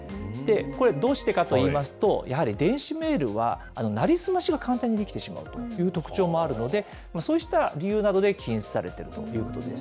これ、どうしてかといいますと、やはり電子メールは成り済ましが簡単にできてしまうという特徴もあるので、そうした理由から禁止されているということです。